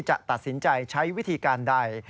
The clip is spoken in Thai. จะตัดสินใจใช้วิธีการใด